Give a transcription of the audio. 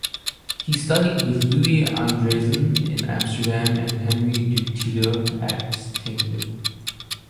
He also studied with Louis Andriessen in Amsterdam and Henri Dutilleux at Tanglewood.